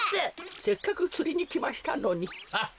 せっかくつりにきましたのに。